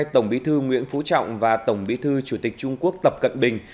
tổng bí thư nguyễn phú trọng và tổng bí thư chủ tịch trung quốc tập cận bình